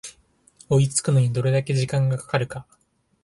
追いつくのにどれだけ時間がかかるか